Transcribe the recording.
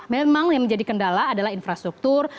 memang yang menjadi kendala adalah infrastruktur